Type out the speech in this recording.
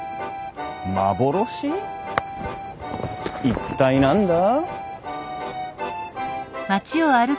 一体何だ？